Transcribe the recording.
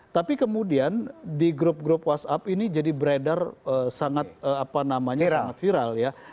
tapi kemudian di grup grup whatsapp ini jadi beredar sangat viral